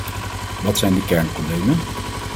Wat zijn de kernproblemen?